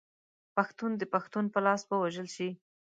پښتون د پښتون په لاس ووژل شي.